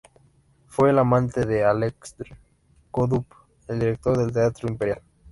Fue la amante de Aleksandr Godunov, el director del teatro imperial.